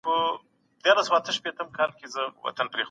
که انلاین ښوونه پراخه سي، تعلیمي فرصتونه محدود نه پاته کېږي.